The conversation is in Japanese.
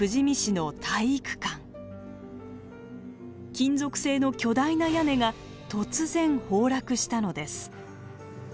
金属製の巨大な屋根が突然崩落したのです。